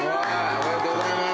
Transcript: ありがとうございます！